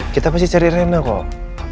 kita pasti cari rena kok